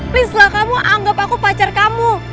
please lah kamu anggap aku pacar kamu